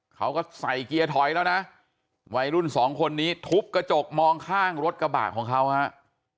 เขาก็ใส่เกียร์ถอยแล้วนะวัยรุ่นสองคนนี้ทุบกระจกมองข้างรถกระบะของเขาฮะ